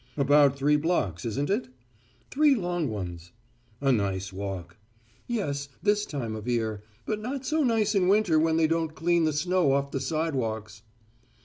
"About three blocks, isn't it?" "Three long ones." "A nice walk." "Yes, this time of year, but not so nice in winter when they don't clean the snow off the sidewalks."